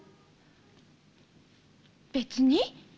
別に。